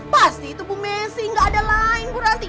pasti itu bu messi enggak ada lain bu ranti